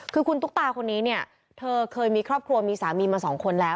คือคุณตุ๊กตาคนนี้เนี่ยเธอเคยมีครอบครัวมีสามีมาสองคนแล้ว